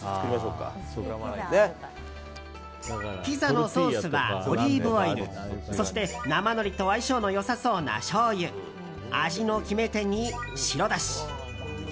ピザのソースはオリーブオイルそして生のりと相性の良さそうなしょうゆ味の決め手に白だし。